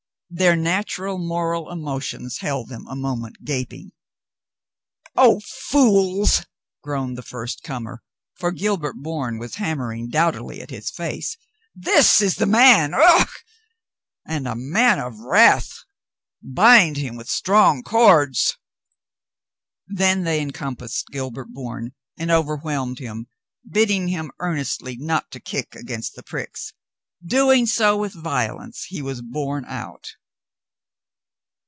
Their natural moral emotions held them a moment gaping. "Oh, fools," groaned the first comer, for Gilbert Bourne was hammering doughtily at his face, "this is the man. Ugh ! And a man of wrath. Bind him with strong cords." Then they encompassed Gilbert Bourne and over whelmed him, bidding him earnestly not to kick against the pricks. Doing so with violence, he was borne out.